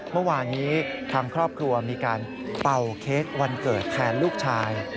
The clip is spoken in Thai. เมื่อวานนี้ทางครอบครัวมีการเป่าเค้กวันเกิดแทนลูกชาย